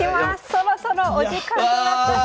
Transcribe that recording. そろそろお時間となったそうです。